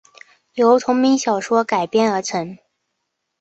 由同名小说改编而成。